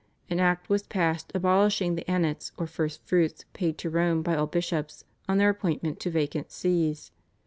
An Act was passed abolishing the Annats or First Fruits paid to Rome by all bishops on their appointment to vacant Sees.